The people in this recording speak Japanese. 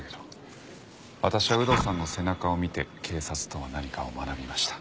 私は有働さんの背中を見て警察とは何かを学びました。